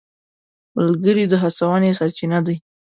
ملګري د هڅونې سرچینه دي.